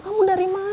kamu dari mana